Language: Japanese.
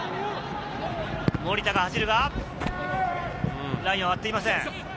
森田が走るが、ラインを割っていません。